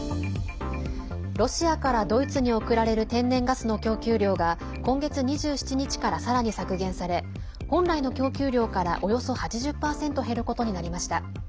ロシアからドイツに送られる天然ガスの供給量が今月２７日から、さらに削減され本来の供給量から、およそ８０％減ることになりました。